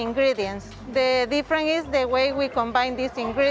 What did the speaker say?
perbedaan adalah cara kami menggabungkan bahan bahan ini